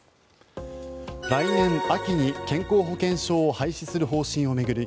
来年秋に健康保険証を廃止する方針を巡り